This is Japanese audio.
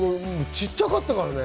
ちっちゃかったからね。